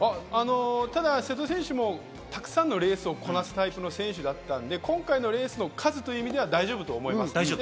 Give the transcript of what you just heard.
瀬戸選手もたくさんのレースをこなすタイプの選手だったので、今回のレースの数という意味では大丈夫だと思います。